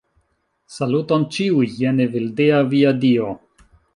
Saluton, ĉiuj! Jen Evildea, via dio.